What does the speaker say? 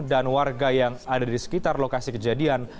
dan warga yang ada di sekitar lokasi kejadian